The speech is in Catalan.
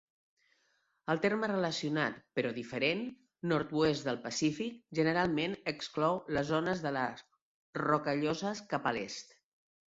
El terme relacionat, però diferent, "nord-oest del Pacífic" generalment exclou les zones de les Rocalloses cap a l'est.